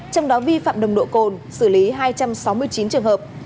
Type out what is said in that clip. trong đó vi phạm nồng độ cồn xử lý hai trăm sáu mươi chín trường hợp